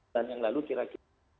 dan yang lalu kira kira